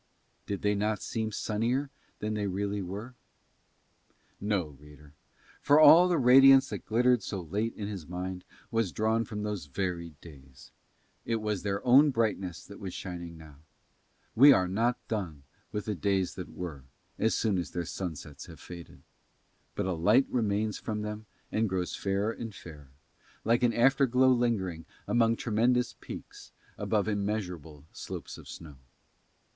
Did they not seem sunnier than they really were? No, reader; for all the radiance that glittered so late in his mind was drawn from those very days; it was their own brightness that was shining now: we are not done with the days that were as soon as their sunsets have faded, but a light remains from them and grows fairer and fairer, like an afterglow lingering among tremendous peaks above immeasurable slopes of snow.